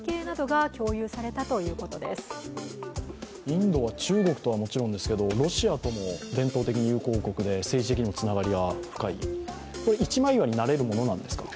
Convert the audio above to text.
インドは中国とはもちろんですけれども、ロシアとも伝統的に友好国で政治的にもつながりが深い、一枚岩になれるものなんですか？